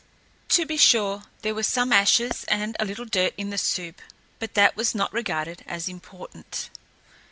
To be sure, there were some ashes and a little dirt in the soup, but that was not regarded as important.